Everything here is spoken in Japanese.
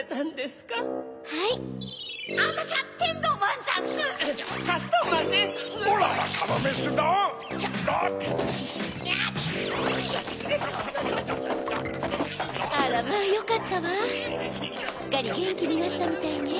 すっかりゲンキになったみたいね。